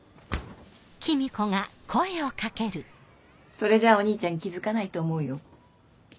それじゃあお兄ちゃん気付かないと思うよ。